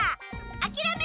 あきらめる！